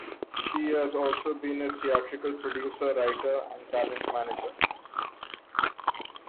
She has also been a theatrical producer, writer and talent manager.